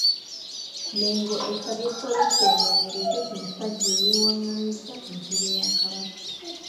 Mmengo esabye poliisi enoonyereze ku musajja eyeewaղղamizza ku ntebe ya Kabaka.